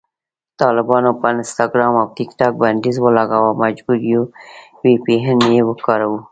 طالبانو په انسټاګرام او ټیکټاک بندیز ولګاوو، مجبور یو وي پي این وکاروو